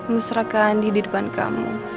mesra kandih di depan kamu